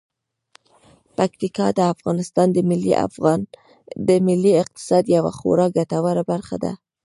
پکتیکا د افغانستان د ملي اقتصاد یوه خورا ګټوره برخه ده.